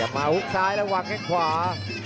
อย่ามาหุ้กซ้ายระวังให้ขวา